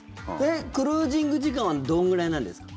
クルージング時間はどれくらいなんですか？